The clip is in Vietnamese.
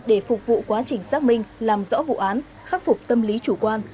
để phục vụ quá trình xác minh làm rõ vụ án khắc phục tâm lý chủ quan